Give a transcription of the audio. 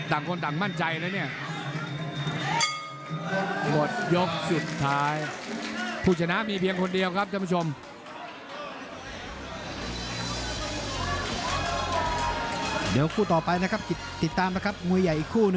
ต่างคนต่างมั่นใจแล้วเนี่ย